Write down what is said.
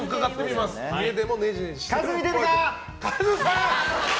カズ、見てるか！